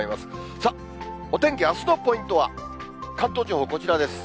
さあ、お天気、あすのポイントは、関東地方、こちらです。